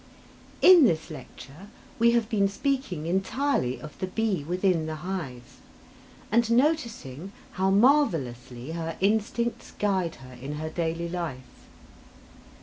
In this lecture we have been speaking entirely of the bee within the hive, and noticing how marvellously her instincts guide her in her daily life.